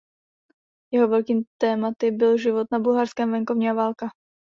Jeho velkými tématy byl život na bulharském venkově a válka.